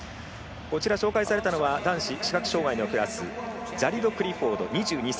こちら紹介されたのは男子視覚障がいのクラスジャリド・クリフォード２２歳。